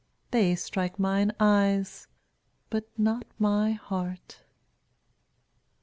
They strike mine eyes but not my heart.